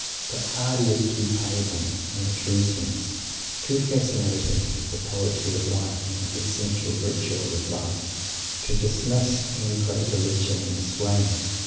But Mr. Hardy is too pagan, in the true sense, too fascinated by the poetry of life and the essential ritual of life, to dismiss any great religion in this way.